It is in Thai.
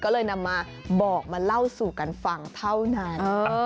ก็เลยนำมาบอกมาเล่าสู่กันฟังเท่านั้น